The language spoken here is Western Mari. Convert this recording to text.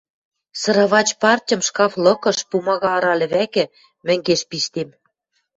Сыравач партьым шкаф лыкыш, пумага ара лӹвӓкӹ, мӹнгеш пиштем...